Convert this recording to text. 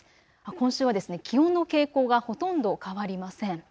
今週は気温の傾向がほとんど変わりません。